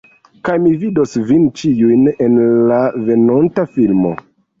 Kaj mi vidos vin ĉiujn en la venonta filmo